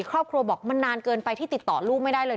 ครอบครัวบอกมันนานเกินไปที่ติดต่อลูกไม่ได้เลย